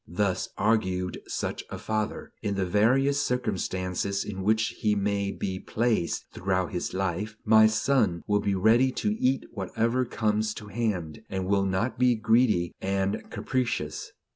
Thus, argued such a father, in the various circumstances in which he may be placed throughout his life, my son will be ready to eat whatever comes to hand, and will not be greedy and capricious.